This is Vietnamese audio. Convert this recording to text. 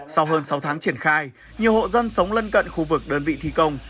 sau hơn sáu tháng triển khai nhiều hộ dân sống lân cận khu vực đơn vị thi công